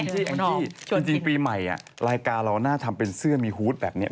แองจี้จริงปีใหม่รายการเราน่าทำเป็นเสื้อมีฮูตแบบนี้